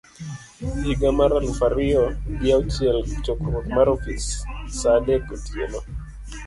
higa mar aluf ariyo gi auchiel Chokruok mar Ofis Saa adek Otieno